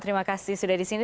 terima kasih sudah di sini